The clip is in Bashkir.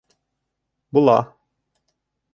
Була.